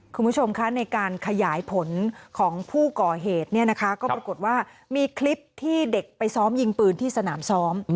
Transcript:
คุณผู้ชมคะในการขยายผลของผู้ก่อเหตุเนี่ยนะคะก็ปรากฏว่ามีคลิปที่เด็กไปซ้อมยิงปืนที่สนามซ้อม